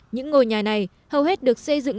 những ngôi nhà này hầu hết được xây dựng